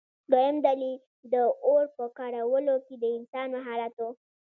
دویم دلیل د اور په کارولو کې د انسان مهارت و.